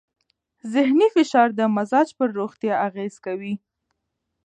ذهنې فشار د مزاج پر روغتیا اغېز کوي.